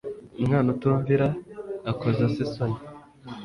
umwana utumvira akoza se isoni